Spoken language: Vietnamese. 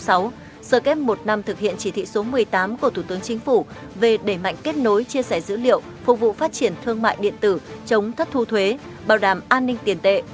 sơ kết một năm thực hiện chỉ thị số một mươi tám của thủ tướng chính phủ về đẩy mạnh kết nối chia sẻ dữ liệu phục vụ phát triển thương mại điện tử chống thất thu thuận